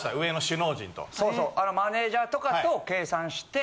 そうそうマネージャーとかと計算して。